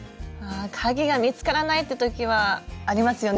鍵が見つからないって時はありますよね。